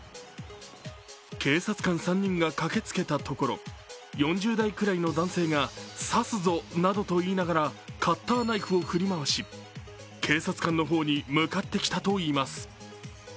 警察官３人が駆けつけたところ、４０代くらいの男性が「刺すぞ」などと言いながらカッターナイフを振り回し警察官の方に向かってきたといいます。